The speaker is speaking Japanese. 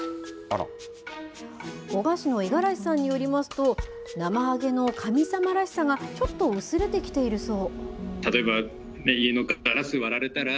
男鹿市の五十嵐さんによりますと、なまはげの神様らしさがちょっと薄れてきているそう。